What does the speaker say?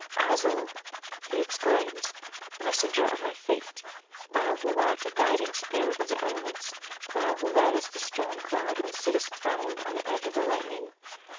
"Azul!" he exclaims. "Messenger of my fate; thou who art a guiding spirit of the elements, thou who ridest the storm cloud and sittest throned on the edge of the lightning!